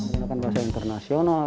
menggunakan bahasa internasional